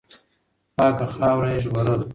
پاکه خاوره یې ژغورله.